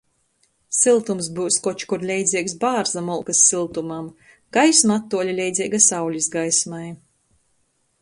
Syltums byus koč kur leidzeigs bārza molkys syltumam, gaisma attuoli leidzeiga saulis gaismai.